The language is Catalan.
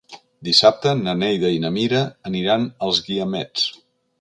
Dissabte na Neida i na Mira aniran als Guiamets.